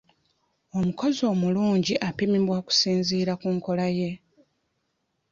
Omukozi omulungi apimibwa kusinziira ku nkola ye.